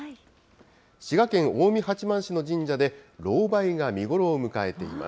滋賀県近江八幡市の神社で、ロウバイが見頃を迎えています。